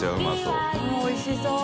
うんおいしそう。